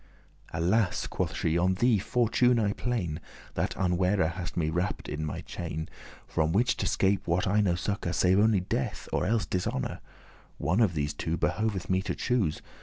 "Alas!" quoth she, "on thee, Fortune, I plain,* *complain That unware hast me wrapped in thy chain, From which to scape, wot I no succour, Save only death, or elles dishonour; One of these two behoveth me to choose.